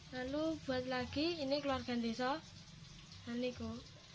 lalu buat lagi ini keluarga ndeso